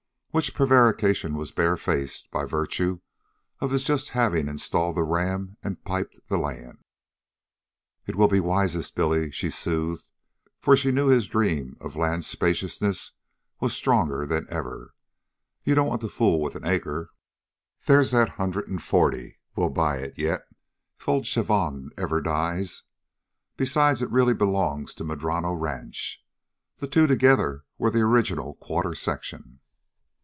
Which prevarication was bare faced, by virtue of his having just installed the ram and piped the land. "It will be the wisest, Billy," she soothed, for she knew his dream of land spaciousness was stronger than ever. "You don't want to fool with an acre. There's that hundred and forty. We'll buy it yet if old Chavon ever dies. Besides, it really belongs to Madrono Ranch. The two together were the original quarter section."